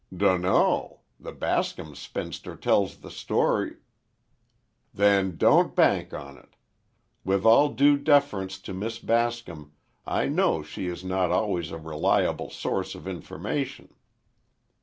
"Dunno. The Bascom spinster tells the story—" "Then don't bank on it. With all due deference to Miss Bascom, I know she is not always a reliable source of information."